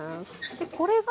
でこれが。